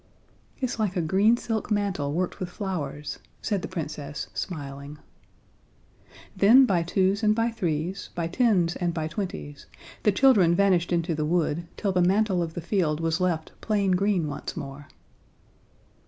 "It's like a green silk mantle worked with flowers," said the Princess, smiling. Then by twos and by threes, by tens and by twenties, the children vanished into the wood, till the mantle of the field was left plain green once more.